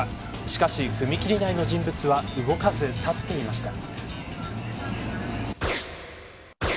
しかし、踏切内の人物は動かず立っていました。